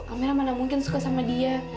amel mana mungkin suka sama dia